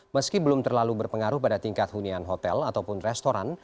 meski belum terlalu berpengaruh pada tingkat hunian hotel ataupun restoran